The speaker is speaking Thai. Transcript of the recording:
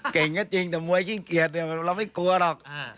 เก่งก็จริงแต่มวยขี้เกียจเนี้ยเราไม่กลัวหรอกอ่า